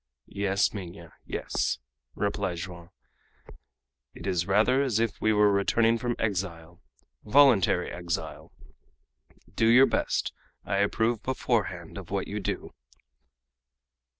"Yes, Minha; yes," replied Joam. "It is rather as if we were returning from exile voluntary exile! Do your best; I approve beforehand of what you do."